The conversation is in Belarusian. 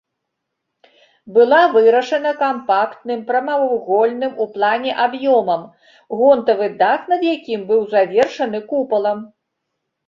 Была вырашана кампактным прамавугольным у плане аб'ёмам, гонтавы дах над якім быў завершаны купалам.